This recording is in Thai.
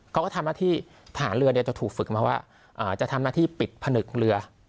เขาก็ทำหน้าที่ทหารเรือจะถูกฝึกมาว่าจะทำหน้าที่ปิดผนึกเรือ